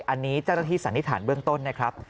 อันนี้จรภีร์สันนิษฐานเบื้องต้นนะครับ